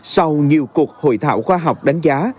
sau nhiều cuộc hội thảo khoa học đánh giá